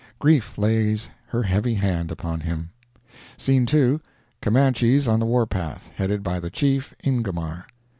Grief lays her heavy hand upon him. Scene 2.—Comanches on the war path, headed by the chief, Ingomar.